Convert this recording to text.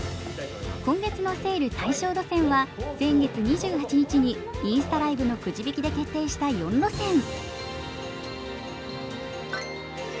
今月のセール対象路線は先月２８日にインスタライブのくじ引きで決定した４路線。